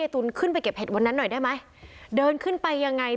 ตูนขึ้นไปเก็บเห็ดวันนั้นหน่อยได้ไหมเดินขึ้นไปยังไง